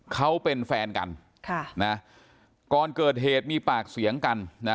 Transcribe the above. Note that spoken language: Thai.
เขาเป็นแฟนกันก่อนเกิดเหตุมีปากเสียงกันนะ